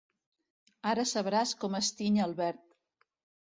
Ara sabràs com es tiny el verd.